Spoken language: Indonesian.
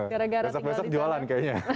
besok besok jualan kayaknya